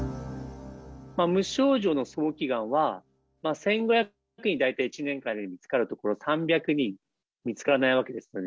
無症状の早期がんは、１５００人、大体１年間で見つかるところ、３００人見つからないわけですよね。